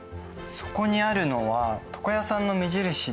そこにあるのは床屋さんの目印だよね。